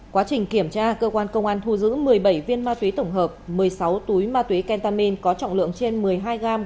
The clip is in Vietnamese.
quá trình kiểm tra cơ quan công an thu giữ một mươi bảy viên ma túy tổng hợp một mươi sáu túi ma túy kentamin có trọng lượng trên một mươi hai g